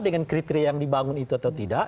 dengan kriteria yang dibangun itu atau tidak